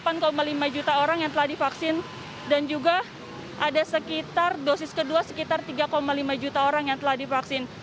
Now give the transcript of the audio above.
sekitar delapan lima juta orang yang telah divaksin dan juga ada sekitar dosis kedua sekitar tiga lima juta orang yang telah divaksin